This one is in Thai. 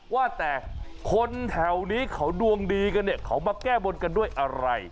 ว่าแต่คนแถวนี้เขาดวงดีกันเนี่ยเขามาแก้บนกันด้วยอะไร